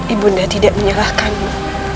ibu nanda tidak menyalahkanmu